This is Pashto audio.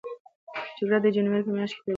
جګړه د جنورۍ په میاشت کې پیل شوه.